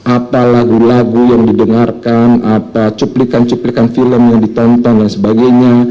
apa lagu lagu yang didengarkan apa cuplikan cuplikan film yang ditonton dan sebagainya